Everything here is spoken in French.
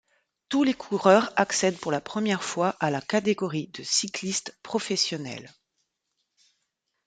Tous les coureurs accèdent pour la première fois à la catégorie de cycliste professionnel.